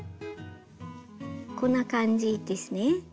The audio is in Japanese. こんな感じですね。